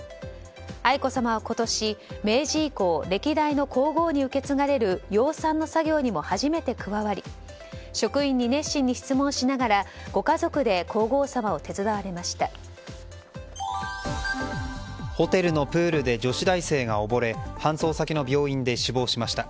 愛子さまは今年、明治以降歴代の皇后に受け継がれる養蚕の作業にも初めて加わり職員に熱心に質問しながらご家族で皇后さまを手伝われました。